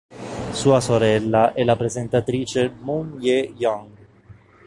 Sua sorella è la presentatrice Moon Je-young.